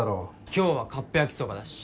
今日はカップ焼きそばだし。